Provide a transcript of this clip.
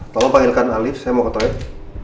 tolong panggilkan alif saya mau ke toilet